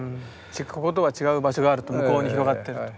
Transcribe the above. じゃこことは違う場所があると向こうに広がってると。